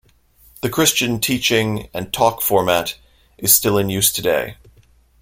The Christian teaching and talk format is still in use today.